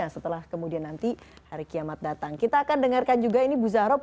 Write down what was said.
silahkan disampaikan bu zahroh